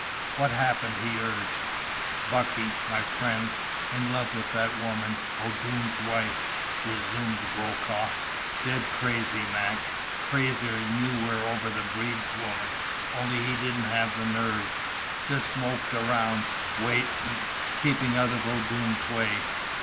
"What happened?" he urged. "Bucky my friend in love with that woman, O'Doone's wife," resumed Brokaw. "Dead crazy, Mac. Crazier'n you were over the Breed's woman, only he didn't have the nerve. Just moped around waiting keeping out of O'Doone's way.